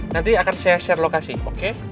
nanti akan saya share lokasi oke